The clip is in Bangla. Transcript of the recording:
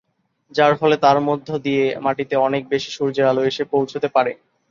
যার ফলে তার মধ্যে দিয়ে মাটিতে অনেক বেশি সূর্যের আলো এসে পৌঁছতে পারে।